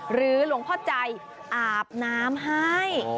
หลวงพ่อใจอาบน้ำให้